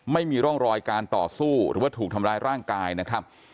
ไม่มีร่องรอยการต่อสู้หรือว่าถูกทำร้ายร่างกายนะครับ